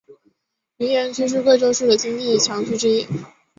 云岩区是贵阳市的经济强区之一。